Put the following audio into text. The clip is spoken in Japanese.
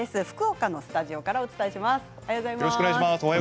福岡のスタジオからお伝えします。